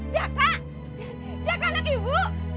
cakak cakak anak ibu